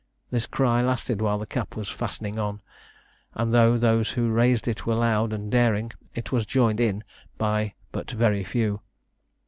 This cry lasted while the cap was fastening on; and, though those who raised it were loud and daring, it was joined in by but very few.